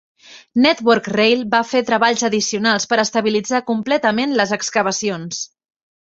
Network Rail va fer treballs addicionals per estabilitzar completament les excavacions.